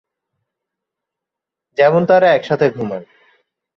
যেমন তারা একসাথে ঘুমায়।